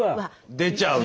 出ちゃうと。